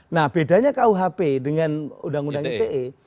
nah bedanya kuhp dengan undang undang ite